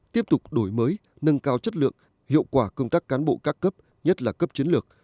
tiếp tục đổi mới nâng cao chất lượng hiệu quả công tác cán bộ các cấp nhất là cấp chiến lược